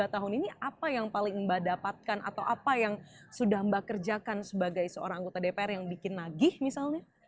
tiga tahun ini apa yang paling mbak dapatkan atau apa yang sudah mbak kerjakan sebagai seorang anggota dpr yang bikin nagih misalnya